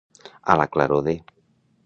A la claror de.